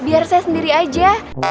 biar saya sendiri aja